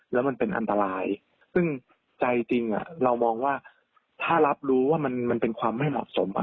แล้วมันเป็นอันตรายซึ่งใจจริงเรามองว่าถ้ารับรู้ว่ามันเป็นความไม่เหมาะสม